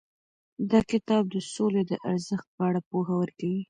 دا کتاب د سولې د ارزښت په اړه پوهه ورکوي.